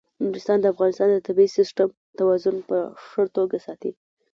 نورستان د افغانستان د طبعي سیسټم توازن په ښه توګه ساتي.